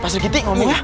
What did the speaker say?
pak serikiti ngomong ya